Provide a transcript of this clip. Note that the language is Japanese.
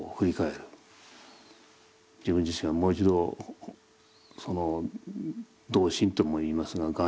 自分自身がもう一度道心とも言いますが願